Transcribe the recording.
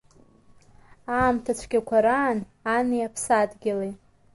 Аамҭа цәгьақәа раан, Ани Аԥсадгьыли.